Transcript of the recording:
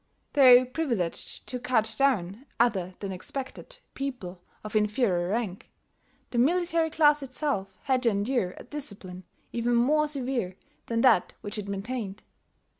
Though privileged to cut down "other than expected" people of inferior rank, the military class itself had to endure a discipline even more severe than that which it maintained.